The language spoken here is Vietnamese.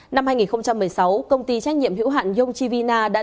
năm hai nghìn một mươi sáu công ty trách nhiệm hữu hạn yongchivina đã đặt tài liệu